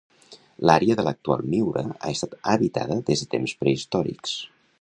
L'àrea de l'actual Miura ha estat habitada des de temps prehistòrics.